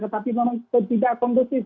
tapi memang itu tidak kondusif